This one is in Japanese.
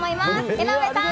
江上さん